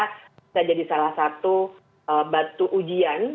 bisa jadi salah satu batu ujian